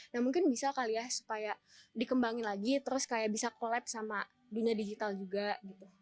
nah mungkin bisa kali ya supaya dikembangin lagi terus kayak bisa collapse sama dunia digital juga gitu